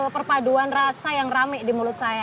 perpaduan rasa yang rame di mulut saya